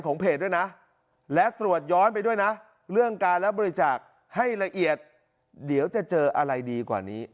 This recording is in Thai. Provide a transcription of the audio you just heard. เพจด้วยนะและตรวจย้อนไปด้วยนะเรื่องการรับบริจาคให้ละเอียดเดี๋ยวจะเจออะไรดีกว่านี้